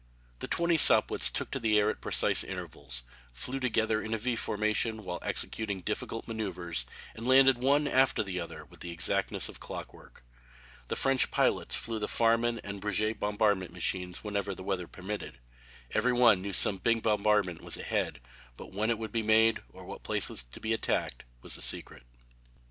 The twenty Sopwiths took the air at precise intervals, flew together in a V formation while executing difficult manoeuvres, and landed one after the other with the exactness of clockwork. The French pilots flew the Farman and Breguet bombardment machines whenever the weather permitted. Every one knew some big bombardment was ahead but when it would be made or what place was to be attacked was a secret.